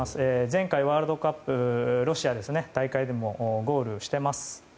前回ワールドカップロシア大会でもゴールしてます。